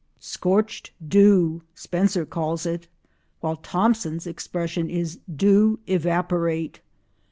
"Scorchèd deaw" Spenser calls it, while Thomson's expression is "dew evaporate."